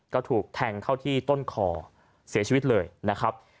ก็ถูกแทงเข้าที่ต้นคอเสียชีวิตเลยนะครับ